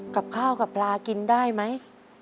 กับข้าวกับปลากินได้ไหม